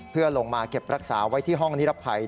เพื่อลงมาเก็บรักษาไว้ที่ห้องนิรภัย